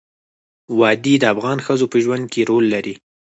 وادي د افغان ښځو په ژوند کې رول لري.